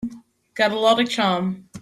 Got a lot of charm.